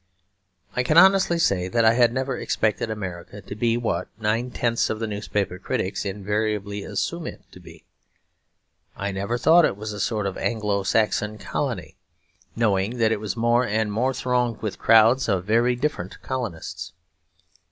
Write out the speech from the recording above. I can honestly say that I had never expected America to be what nine tenths of the newspaper critics invariably assume it to be. I never thought it was a sort of Anglo Saxon colony, knowing that it was more and more thronged with crowds of very different colonists.